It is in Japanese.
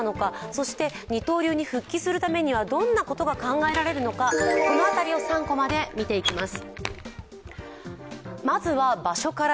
そして、二刀流に復帰するためには、どんなことが考えられるのかこの辺りを３コマで見ていきます。